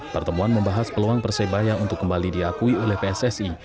pertemuan membahas peluang persebaya untuk kembali diakui oleh pssi